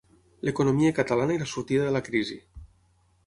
L'economia catalana i la sortida de la crisi.